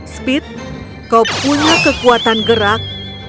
speed kau punya kekuatan gerak